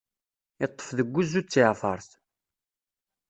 Iṭṭef deg wuzzu d tiɛfeṛt.